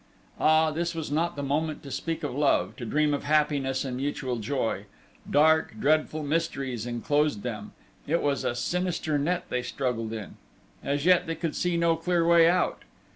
Ah, this was not the moment to speak of love, to dream of happiness and mutual joy! Dark, dreadful mysteries enclosed them: it was a sinister net they struggled in: as yet they could see no clear way out!...